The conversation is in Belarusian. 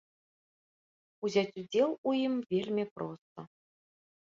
Узяць удзел у ім вельмі проста.